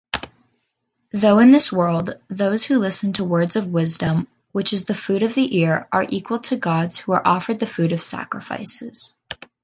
Though in this world, those who listen to words of wisdom which is the food of the ear are equal to gods who are offered the food of sacrifices.